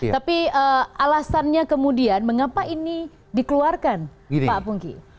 tapi alasannya kemudian mengapa ini dikeluarkan pak pungki